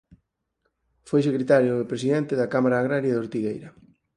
Foi secretario e presidente da Cámara Agraria de Ortigueira.